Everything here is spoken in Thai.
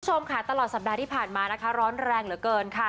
คุณผู้ชมค่ะตลอดสัปดาห์ที่ผ่านมานะคะร้อนแรงเหลือเกินค่ะ